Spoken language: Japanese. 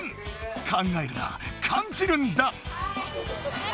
考えるな感じるんだ！